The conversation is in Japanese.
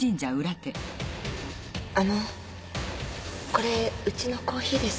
あのこれうちのコーヒーです。